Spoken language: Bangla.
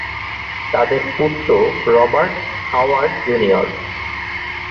তাদের পুত্র রবার্ট হাওয়ার্ড জুনিয়র।